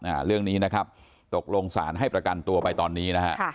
อ่าเรื่องนี้นะครับตกลงสารให้ประกันตัวไปตอนนี้นะฮะค่ะ